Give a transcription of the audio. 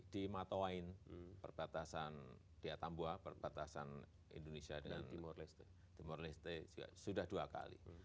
di matawain perbatasan di atambua perbatasan indonesia dan timor leste sudah dua kali